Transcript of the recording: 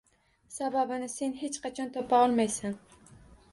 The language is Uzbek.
Sababini sen hech qachon topa olmaysan.